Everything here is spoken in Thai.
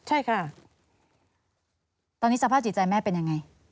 ว่าต้าจิตใจแม่เป็นยังไง